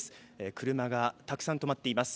車がたくさん止まっています。